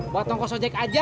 buat ngokso jack aja